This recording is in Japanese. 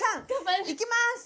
いきます！